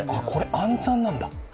暗算なんだ。